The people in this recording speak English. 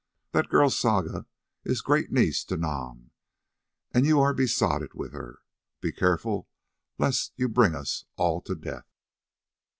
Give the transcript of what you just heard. That girl, Saga, is great niece to Nam, and you are besotted with her. Be careful lest you bring us all to death."